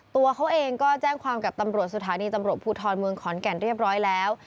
ตัวเขาเองก็แจ้งความกับตำรวจสถานีตำรวจภูทรเมืองขอนแก่นเรียบร้อยแล้ว